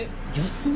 休み？